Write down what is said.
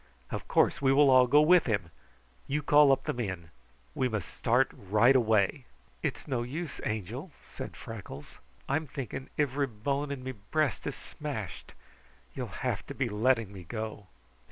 Of course, we will all go with him! You call up the men. We must start right away." "It's no use, Angel," said Freckles. "I'm thinking ivry bone in me breast is smashed. You'll have to be letting me go!"